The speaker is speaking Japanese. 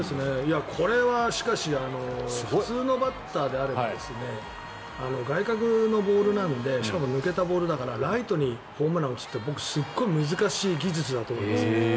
これは、しかし普通のバッターであれば外角のボールなのでしかも抜けたボールだからライトにホームラン打つって僕、すごい難しい技術だと思います。